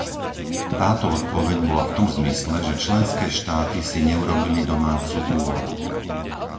Táto odpoveď bola v tom zmysle, že členské štáty si neurobili domácu úlohu.